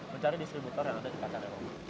mencari distributor yang ada di kata eropa